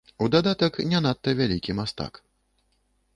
У дадатак не надта вялікі мастак.